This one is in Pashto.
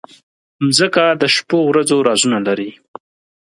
مځکه د شپو ورځو رازونه لري.